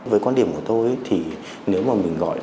với quan điểm của tôi thì nếu mà mình gọi